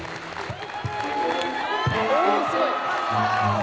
おすごい！